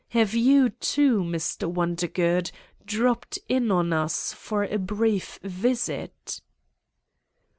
Have you, too, Mr. Wondergood, dropped in on us for a brief visit